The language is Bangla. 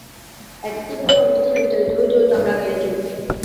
এক স্থান হইতে অন্য স্থানে বিতাড়িত হইতে হইতে আমরা আগাইয়া চলি।